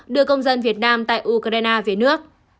đưa công dân việt nam tại ukraine về nước